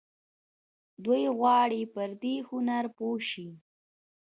دوی غواړي پر دې هنر پوه شي.